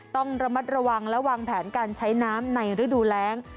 ต้องระมัดระวังและวางแผนการใช้น้ำในฤดูแรง